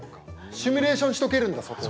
シミュレーションしておけるんだ。